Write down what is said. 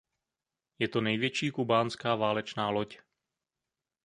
Je to největší kubánská válečná loď.